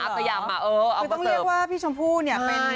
คือต้องเรียกว่าพี่ชมพู่เนี่ยเป็น